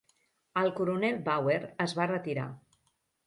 El coronel Bauer es va retirar.